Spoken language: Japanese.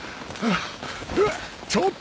あっ。